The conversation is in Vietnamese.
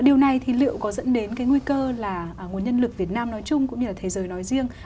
điều này thì liệu có dẫn đến cái nguy cơ là nguồn nhân lực việt nam nói chung cũng như là thế giới nói riêng